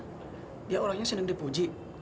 kan dia orangnya senang dipuji